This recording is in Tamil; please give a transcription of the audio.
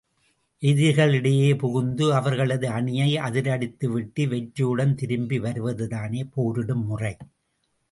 எதிரிகள் இடையே புகுந்து, அவர்களது அணியை அதிரடித்துவிட்டு வெற்றியுடன் திரும்பி வருவதுதானே போரிடும் முறை.